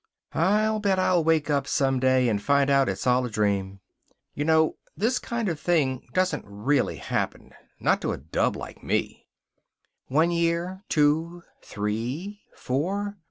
"I'll bet I'll wake up, someday, and find out it's all a dream. You know this kind of thing doesn't really happen not to a dub like me." One year; two; three; four.